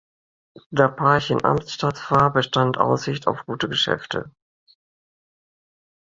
Da Parchim „Amtsstadt“ war, bestand Aussicht auf gute Geschäfte.